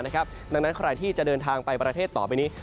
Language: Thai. ดังนั้นใครที่จะเดินทางไปประเทศต่อไปนี้